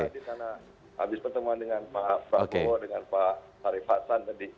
habis pertemuan dengan pak afrago dengan pak arif hasan tadi